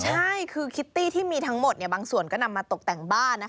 ใช่คือคิตตี้ที่มีทั้งหมดบางส่วนก็นำมาตกแต่งบ้าน